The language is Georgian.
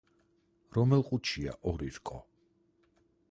რომელ ყუთშია ორი რკო?